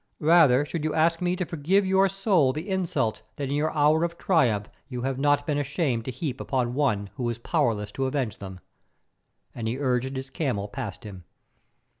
Rather should you ask me to forgive your soul the insults that in your hour of triumph you have not been ashamed to heap upon one who is powerless to avenge them," and he urged his camel past him.